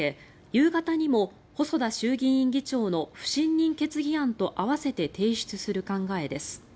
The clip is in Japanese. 夕方にも細田衆議院議長の不信任決議案と併せて提出する考えです。